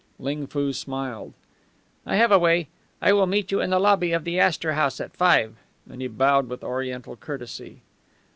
Ling Foo smiled. "I have a way. I will meet you in the lobby of the Astor House at five"; and he bowed with Oriental courtesy.